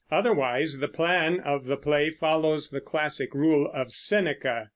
Otherwise the plan of the play follows the classical rule of Seneca.